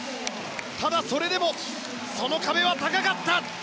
ただ、それでもその壁は高かった。